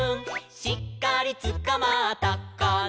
「しっかりつかまったかな」